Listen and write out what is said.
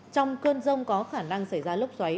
trong cơn rông có khả năng xảy ra lốc xoáy